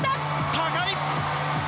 高い！